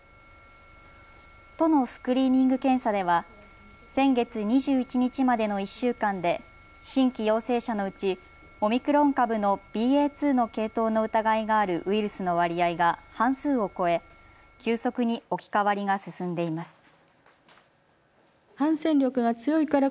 都のスクリーニング検査では先月２１日までの１週間で新規陽性者のうちオミクロン株のＢＡ．２の系統の疑いがあるウイルスの割合が半数を超え急速に置き換わりが進んでいます。